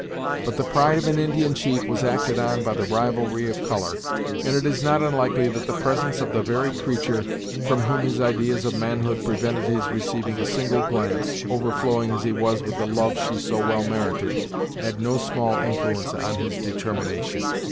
But the pride of an Indian chief was acted on by the rivalry of colour, and it is not unlikely that the presence of the very creature from whom his ideas of manhood prevented his receiving a single glance, overflowing as he was with the love she so well merited, had no small influence on his determination.